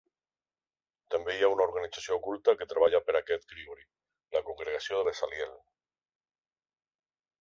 També hi ha una organització oculta que treballa per a aquest Grigori: la Congregació de Bezaliel.